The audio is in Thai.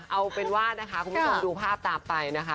เอาเป็นว่านะคะคุณผู้ชมดูภาพตามไปนะคะ